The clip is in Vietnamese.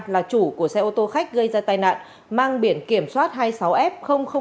là chủ của xe ô tô khách gây ra tai nạn mang biển kiểm soát hai mươi sáu f một trăm ba mươi bốn